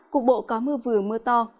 cục bộ có mưa vừa mưa to